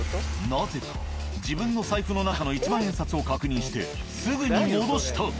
なぜか自分の財布の中の１万円札を確認してすぐに戻した。